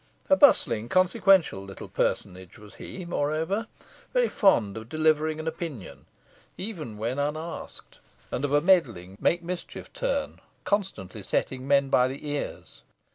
A bustling, consequential little personage was he, moreover; very fond of delivering an opinion, even when unasked, and of a meddling, make mischief turn, constantly setting men by the ears.